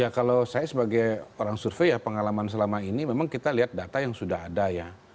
ya kalau saya sebagai orang survei ya pengalaman selama ini memang kita lihat data yang sudah ada ya